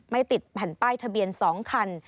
ไม่ติดแผ่นป้ายทะเบียน๒คัน